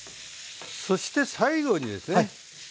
そして最後にですね。